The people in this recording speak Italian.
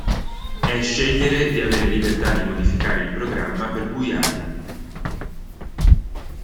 È scegliere di avere libertà di modificare il programma per cui hai.